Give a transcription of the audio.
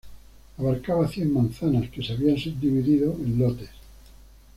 Abarcaba cien manzanas, que se habían subdivididos en lotes.